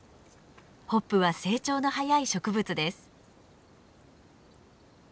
ホップは成長の速い植物です。